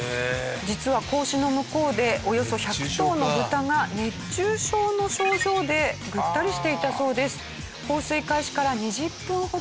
実は格子の向こうでおよそ１００頭のブタが熱中症の症状でぐったりしていたそうです。